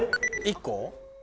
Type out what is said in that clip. １個？